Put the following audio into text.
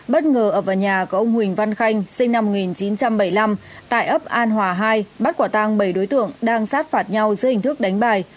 bất ngờ ập vào nhà của ông huỳnh văn khanh sinh năm một nghìn chín trăm bảy mươi năm tại ấp an hòa hai bắt quả tang bảy đối tượng đang sát phạt nhau giữa hình thức đánh bài